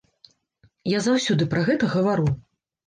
Я заўсёды пра гэта гавару.